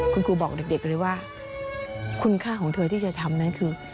คุณครูบอกเด็กเลยว่าคุณค่าของเธอที่จะทำนั้นคือ